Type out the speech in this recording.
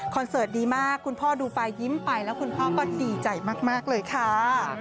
เสิร์ตดีมากคุณพ่อดูไปยิ้มไปแล้วคุณพ่อก็ดีใจมากเลยค่ะ